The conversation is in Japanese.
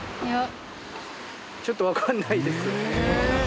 ちょっとわかんないです。